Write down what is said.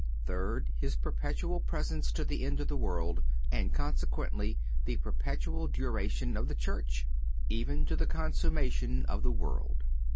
Third—His perpetual presence to the end of the world, and consequently the perpetual duration of the Church—"Even to the consummation of the world."